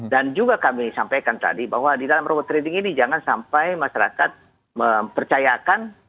dan juga kami sampaikan tadi bahwa di dalam robot trading ini jangan sampai masyarakat mempercayakan